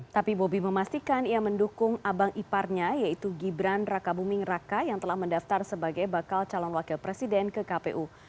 tapi bobi memastikan ia mendukung abang iparnya yaitu gibran raka buming raka yang telah mendaftar sebagai bakal calon wakil presiden ke kpu